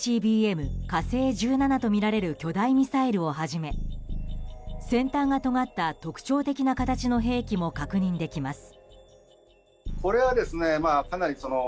「火星１７」とみられる巨大ミサイルをはじめ先端がとがった特徴的な形の兵器も確認できます。